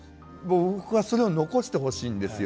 僕はそれを残してほしいんですよ。